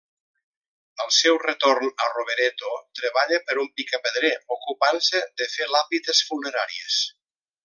Al seu retorn a Rovereto treballa per un picapedrer, ocupant-se de fer làpides funeràries.